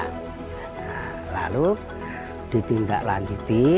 nah lalu ditindak lanjuti